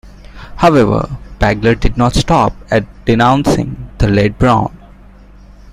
However, Pegler did not stop at denouncing the late Broun.